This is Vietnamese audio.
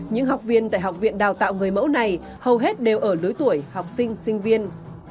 những học viên tại học viện đào tạo người mẫu này hầu hết đều ở lứa tuổi học sinh sinh viên